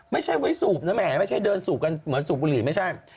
ไม่ใช่ไว้สูบนะแหมไม่ใช่เดินสูบกันเหมือนสูบบุหรี่ไม่ใช่